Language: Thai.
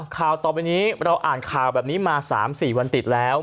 ข่าวต่อไปนี้เราอ่านข่าวแบบนี้มา๓๔วันติดแล้ว